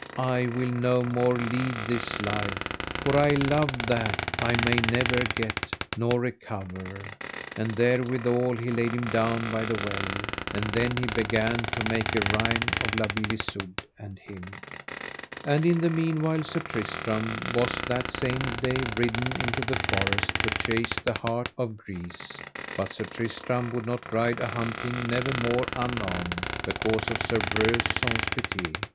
I will no more lead this life, for I love that I may never get nor recover. And therewithal he laid him down by the well. And then he began to make a rhyme of La Beale Isoud and him. And in the meanwhile Sir Tristram was that same day ridden into the forest to chase the hart of greese; but Sir Tristram would not ride a hunting never more unarmed, because of Sir Breuse Saunce Pité.